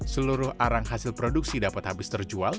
seluruh arang hasil produksi dapat habis terjual